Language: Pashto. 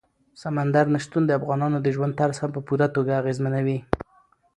سمندر نه شتون د افغانانو د ژوند طرز هم په پوره توګه اغېزمنوي.